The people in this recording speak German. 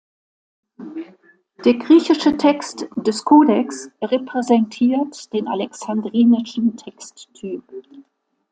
Der griechische Text des Kodex repräsentiert den Alexandrinischen Texttyp.